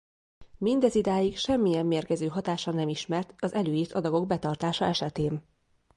Mind ezidáig semmilyen mérgező hatása nem ismert az előírt adagok betartása esetén.